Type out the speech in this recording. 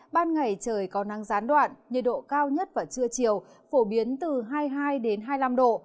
ban ngày trời có nắng gián đoạn nhiệt độ cao nhất vào trưa chiều phổ biến từ hai mươi hai hai mươi năm độ